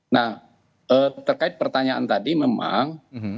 nah terkait pertanyaan tadi memang